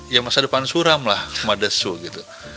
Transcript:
ya masa depan suram lah madesu gitu